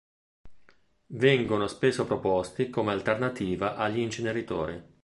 Vengono spesso proposti come alternativa agli inceneritori.